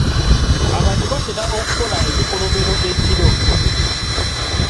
Abantu batera okukola ebikolobero ekiro.